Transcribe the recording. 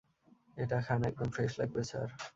এটা খান, একদম ফ্রেশ লাগবে, স্যার।